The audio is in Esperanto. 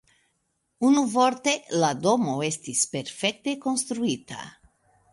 Unuvorte la domo estis perfekte konstruita.